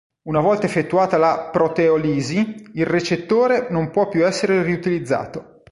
Una volta effettuata la proteolisi, il recettore non può più essere riutilizzato.